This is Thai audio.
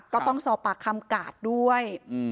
ก็ต้องสอบปากคำกาดด้วย